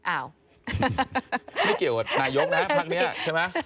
อ้าวไม่เกี่ยวกับนายกนะพักนี้ใช่ไหม